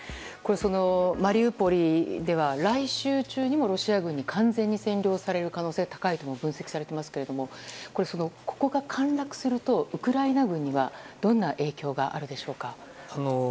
マリウポリでは来週中にもロシア軍に完全に占領される可能性が高いとも分析されていますけれどもここが陥落するとウクライナ軍にはどんな影響があるでしょうか？